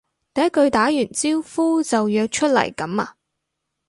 第一句打完招呼就約出嚟噉呀？